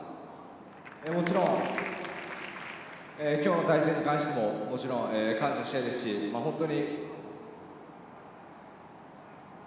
もちろん、きょうの対戦に関してももちろん感謝したいですし、本当に。